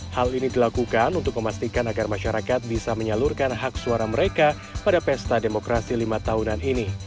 hal ini dilakukan untuk memastikan agar masyarakat bisa menyalurkan hak suara mereka pada pesta demokrasi lima tahunan ini